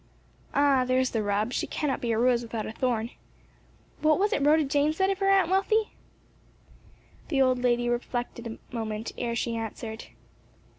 "Ah, there's the rub! she cannot be a rose without a thorn. What was it Rhoda Jane said of her, Aunt Wealthy?" The old lady reflected a moment ere she answered.